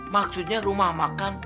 maksudnya rumah makan